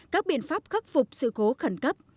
các biện pháp khắc phục sự cố khẩn cấp